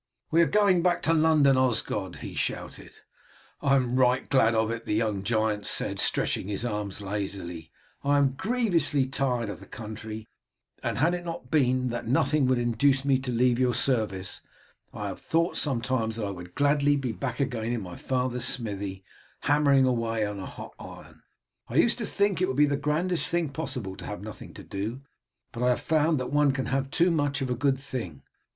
"We are going back to London, Osgod," he shouted. "I am right glad of it," the young giant said, stretching his arms lazily. "I am grievously tired of the country, and had it not been that nothing would induce me to leave your service, I have thought sometimes that I would gladly be back again in my father's smithy, hammering away on hot iron. I used to think it would be the grandest thing possible to have nothing to do, but I have found that one can have too much of a good thing.